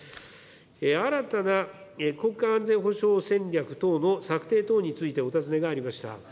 新たな国家安全保障戦略等の策定等についてお尋ねがありました。